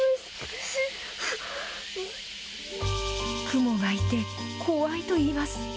クモがいて、怖いといいます。